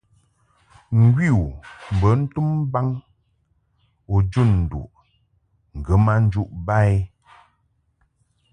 Ŋgwi u bə ntum baŋ u jun nduʼ ŋgə ma njuʼ ba i.